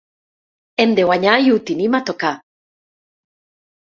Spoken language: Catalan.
Hem de guanyar i ho tenim a tocar.